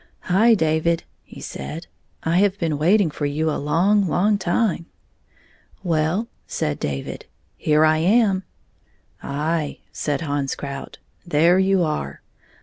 " Hi ! David," he said, "I have been waiting for you a long, long time." " Well," said David, " here I am." "Aye;" said Hans Krout, "there you are.